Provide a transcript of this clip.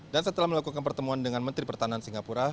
dan setelah melakukan pertemuan dengan menteri pertahanan singapura